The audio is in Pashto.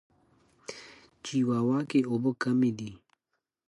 چیواوا کې اوبه کمې دي.